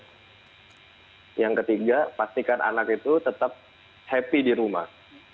hai yang ketiga pastikan anak itu tetap happy di rumah